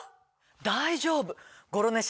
大丈夫。